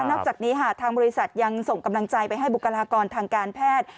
นอกจากนี้ค่ะทางบริษัทยังส่งกำลังใจไปให้บุคลากรทางการแพทย์